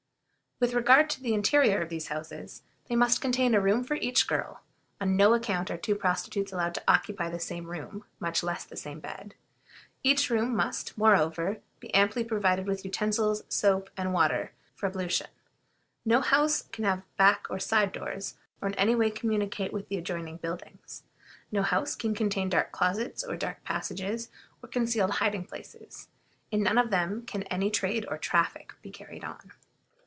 With regard to the interior of these houses, they must contain a room for each girl; on no account are two prostitutes allowed to occupy the same room, much less the same bed. Each room must, moreover, be amply provided with utensils, soap, and water, for ablution. No house of prostitution can have back or side doors, or in any way communicate with the adjoining buildings. No house can contain dark closets, or dark passages, or concealed hiding places. In none of them can any trade or traffic be carried on.